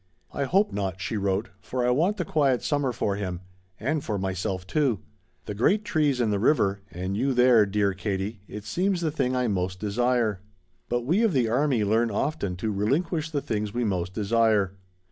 "I hope not," she wrote, "for I want the quiet summer for him. And for myself, too. The great trees and the river, and you there, dear Katie, it seems the thing I most desire. But we of the army learn often to relinquish the things we most desire.